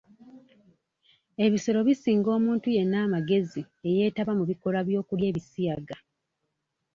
Ebisolo bisinga omuntu yenna amagezi eyeetaba mu bikolwa by'okulya ebisiyaga.